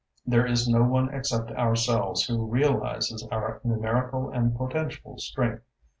There is no one except ourselves who realises our numerical and potential strength.